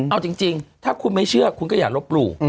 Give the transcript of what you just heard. เอาจริงถ้าคุณไม่เชื่อคุณก็อย่าลบหลู่